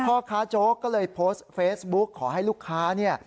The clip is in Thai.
พ่อค้าโจ๊กก็เลยโพสต์เฟซบุ๊กขอให้ลูกค้าเนี่ย